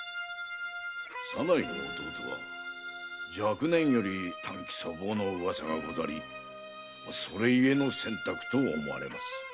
左内の弟は若年より短気粗暴の噂がござりそれゆえの選択と思われます。